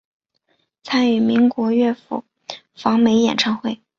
参与民风乐府访美演唱会。